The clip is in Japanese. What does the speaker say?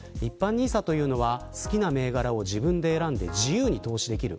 一般ＮＩＳＡには好きな銘柄を自分で選んで自由に投資できる。